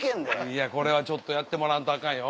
いやこれはちょっとやってもらわんとアカンよ。